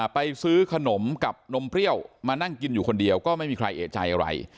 ไปซื้อขนมกับนมเปรี้ยวมานั่งกินอยู่คนเดียวก็ไม่มีใครเอกใจอะไร